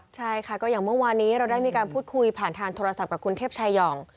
ใช่ค่ะก็อย่างเมื่อวานี้เราได้มีการพูดคุยผ่านทางโทรศัพท์กับคุณเทพชายอง